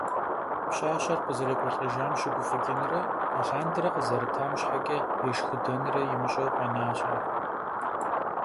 Пщащэр къызэрекӀуэлӀэжам щыгуфӀыкӀынрэ алъандэрэ къызэрытам щхьэкӀэ ешхыдэнрэ имыщӀэу, къэнащ ар.